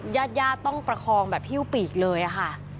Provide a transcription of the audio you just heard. ญาติต้องประคองอยู่บีกเลยค่ะ